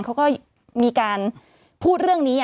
เขาก็มีการพูดเรื่องนี้